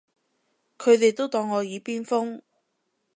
佢哋都當我耳邊風